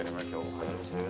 はい。